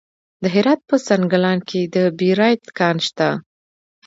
د هرات په سنګلان کې د بیرایت کان شته.